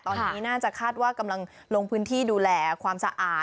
ตอนนี้น่าจะคาดว่ากำลังลงพื้นที่ดูแลความสะอาด